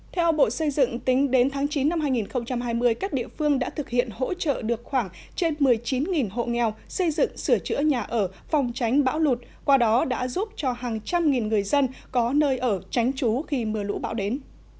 theo bộ xây dựng tính đến tháng chín năm hai nghìn hai mươi các địa phương đã thực hiện hỗ trợ được khoảng trên một mươi chín hộ nghèo xây dựng sửa chữa nhà ở phòng tránh bão lụt qua đó đã giúp cho hàng trăm nghìn người dân có nơi ở tránh trú khi mưa lũ bão đến